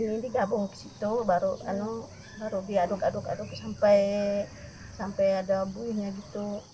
ini gabung ke situ baru diaduk aduk aduk sampai ada buihnya gitu